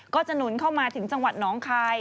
หนุนเข้ามาถึงจังหวัดน้องคาย